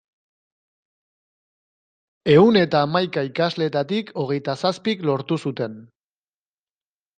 Ehun eta hamaika ikasleetatik hogeita zazpik lortu zuten.